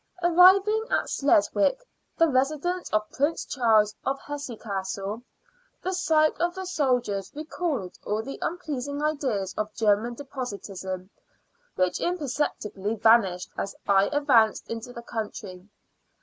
Arriving at Sleswick, the residence of Prince Charles of Hesse Cassel, the sight of the soldiers recalled all the unpleasing ideas of German despotism, which imperceptibly vanished as I advanced into the country.